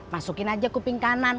masukin aja kuping kanan